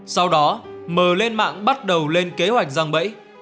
sau đó mờ lên mạng bắt đầu lên kế hoạch răng bẫy